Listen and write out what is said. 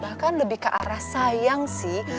bahkan lebih ke arah sayang sih